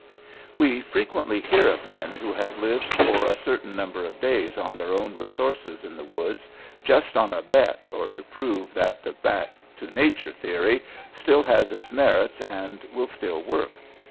We frequently hear of men who have lived for a certain number of days on their own resources in the woods just on a bet or to prove that the "back to nature" theory still has its merits and will still work.